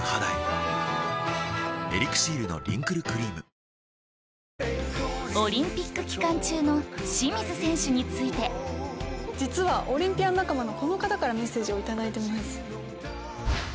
輝く肌へオリンピック期間中の清水選手について実はオリンピアン仲間のこの方からメッセージを頂いてます。